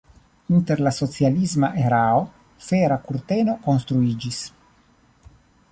Inter la socialisma erao Fera kurteno konstruiĝis.